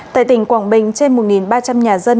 tại tỉnh quảng bình trên một ba trăm linh nhà dân